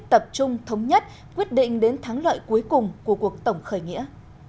tập trung thống nhất quyết định đến thắng lợi cuối cùng của cuộc tổng khởi nghĩa